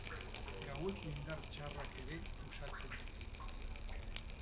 Gaueko indar txarrak ere uxatzen ditu.